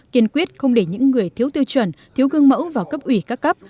kiên quyết không để những người thiếu tiêu chuẩn thiếu gương mẫu vào cấp ủy các cấp